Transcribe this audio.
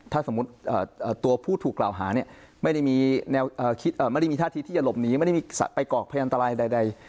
ถ้าสมมุติตัวผู้ถูกกล่าวหาเนี่ยไม่ได้มีท่าทีที่จะหลบหนีไม่ได้ไปกรอกพยานตรายใด